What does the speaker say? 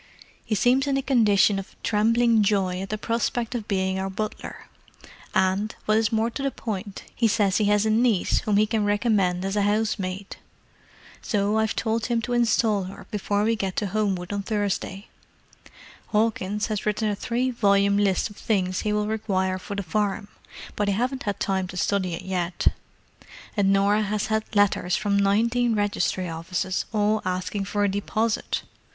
"He seems in a condition of trembling joy at the prospect of being our butler; and, what is more to the point, he says he has a niece whom he can recommend as a housemaid. So I have told him to instal her before we get to Homewood on Thursday. Hawkins has written a three volume list of things he will require for the farm, but I haven't had time to study it yet. And Norah has had letters from nineteen registry offices, all asking for a deposit!"